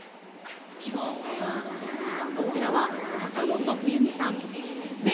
こちらは坂本冬美さん。